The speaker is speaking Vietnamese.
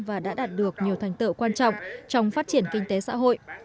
và đã đạt được nhiều thành tựu quan trọng trong phát triển kinh tế xã hội